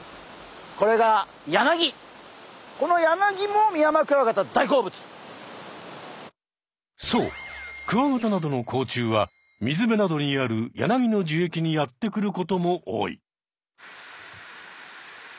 これがそうクワガタなどの甲虫は水辺などにあるヤナギの樹液にやって来ることも多い。